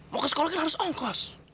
mau ke sekolah kan harus ongkos